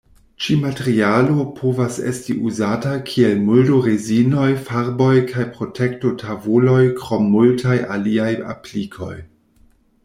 Ĉi-materialo povas esti uzata kiel muldo-rezinoj, farboj kaj protekto-tavoloj, krom multaj aliaj aplikoj.